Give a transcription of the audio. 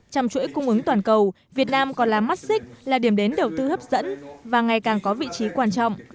trong chuỗi cung ứng toàn cầu việt nam còn là mắt xích là điểm đến đầu tư hấp dẫn và ngày càng có vị trí quan trọng